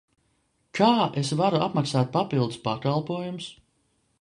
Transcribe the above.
Kā es varu apmaksāt papildus pakalpojumus?